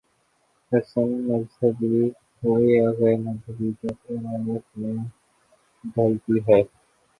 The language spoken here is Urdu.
رسم مذہبی ہو یا غیر مذہبی جب روایت میں ڈھلتی ہے۔